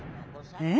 え？